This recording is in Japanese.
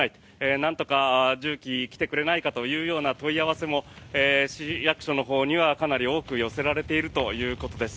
なんとか重機来てくれないかというような問い合わせも市役所のほうにはかなり多く寄せられているということです。